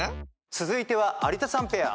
続いては有田さんペア。